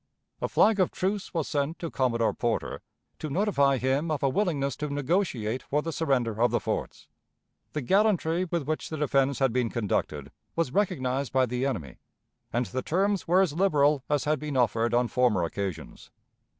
A flag of truce was sent to Commodore Porter to notify him of a willingness to negotiate for the surrender of the forts. The gallantry with which the defense had been conducted was recognized by the enemy, and the terms were as liberal as had been offered on former occasions.